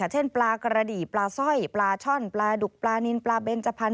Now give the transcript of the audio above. เช่นปลากระดี่ปลาสร้อยปลาช่อนปลาดุกปลานินปลาเบนจพันธ